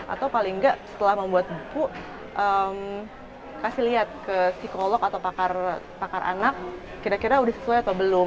atau paling enggak setelah membuat buku kasih lihat ke psikolog atau pakar anak kira kira udah sesuai atau belum